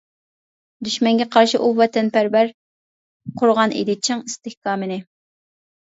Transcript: دۈشمەنگە قارشى ئۇ ۋەتەنپەرۋەر، قۇرغان ئىدى چىڭ ئىستىھكامىنى.